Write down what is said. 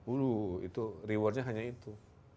wuluh itu rewardnya hanya itu